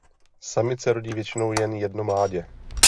Samice rodí většinou jen jedno mládě.